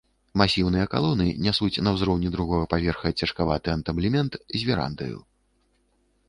Масіўныя калоны нясуць на ўзроўні другога паверха цяжкаваты антаблемент з верандаю.